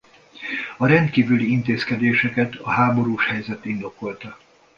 A rendkívüli intézkedéseket a háborús helyzet indokolta.